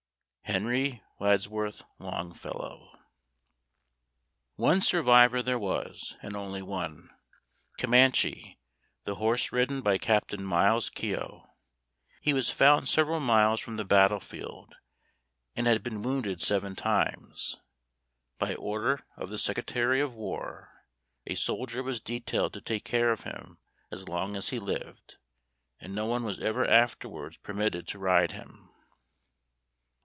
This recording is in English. HENRY WADSWORTH LONGFELLOW. One survivor there was, and only one, Comanche, the horse ridden by Captain Miles Keogh. He was found several miles from the battlefield, and had been wounded seven times. By order of the Secretary of War, a soldier was detailed to take care of him as long as he lived, and no one was ever afterwards permitted to ride him.